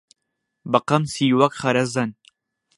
بەقەمچی وەک خەرەزەن